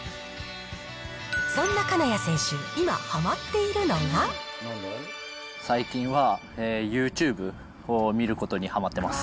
そんな金谷選手、最近は、ユーチューブを見ることにはまってます。